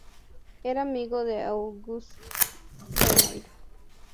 Era amigo de Auguste Renoir.